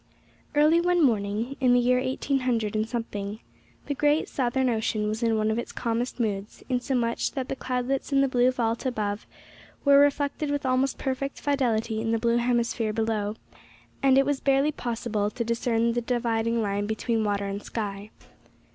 Early one morning, in the year 18 hundred and something, the great Southern Ocean was in one of its calmest moods, insomuch that the cloudlets in the blue vault above were reflected with almost perfect fidelity in the blue hemisphere below, and it was barely possible to discern the dividing line between water and sky.